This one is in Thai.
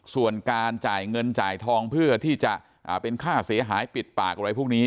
ส่วนการจ่ายเงินจ่ายทองเพื่อที่จะเป็นค่าเสียหายปิดปากอะไรพวกนี้